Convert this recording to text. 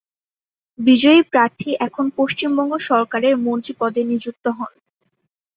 বিজয়ী প্রার্থী এখন পশ্চিমবঙ্গ সরকারের মন্ত্রী পদে নিযুক্ত হন।